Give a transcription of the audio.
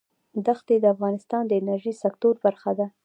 دښتې د افغانستان د انرژۍ سکتور برخه ده.